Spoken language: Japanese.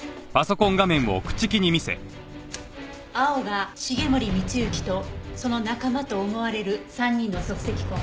青が繁森光之とその仲間と思われる３人の足跡痕。